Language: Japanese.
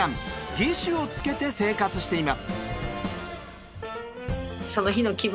義手をつけて生活しています。